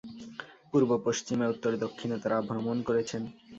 পূর্ব-পশ্চিমে, উত্তর-দক্ষিণে তাঁরা ভ্রমণ করেছেন।